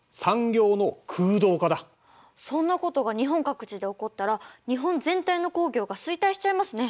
そんなことが日本各地で起こったら日本全体の工業が衰退しちゃいますね。